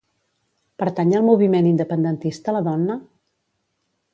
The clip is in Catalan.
Pertany al moviment independentista la Donna?